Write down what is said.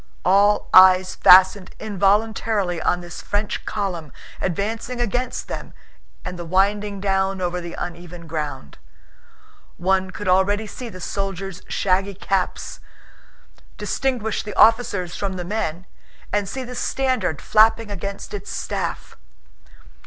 All eyes fastened involuntarily on this French column advancing against them and winding down over the uneven ground. One could already see the soldiers' shaggy caps, distinguish the officers from the men, and see the standard flapping against its staff.